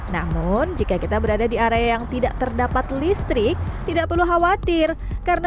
namun jika kita berada di area yang tidak terdapat listrik tidak perlu khawatir karena